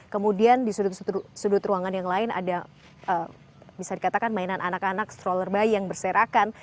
kemudian di sudut sudut ruangan yang lain ada bisa dikatakan mainan anak anak stroller bayi yang berserakan